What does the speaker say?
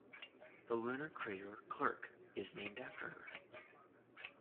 The lunar crater Clerke is named after her.